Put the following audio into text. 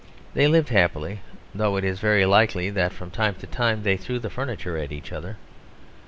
They lived happily, although it is very likely that from time to time they threw the furniture at each other.